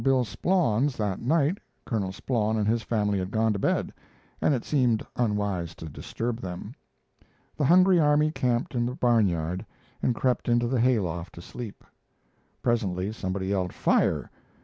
Bill Splawn's that night Colonel Splawn and his family had gone to bed, and it seemed unwise to disturb them. The hungry army camped in the barnyard and crept into the hay loft to sleep. Presently somebody yelled "Fire!"